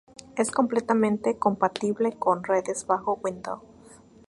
Es completamente compatible con redes bajo Windows.